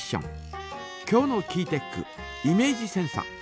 今日のキーテックイメージセンサ。